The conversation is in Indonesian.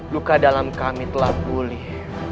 luka dalam kami telah pulih